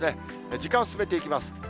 時間進めていきます。